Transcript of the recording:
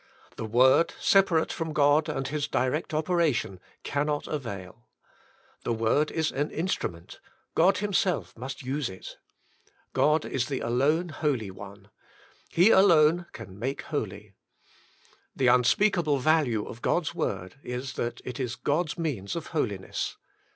The word, sepa rate from God and His direct operation, cannot avail. The word is an instrument: God Himself must use it. God is the alone Holy One. He alone can make holy. The unspeakable value of God's word is that it is God's means of holiness.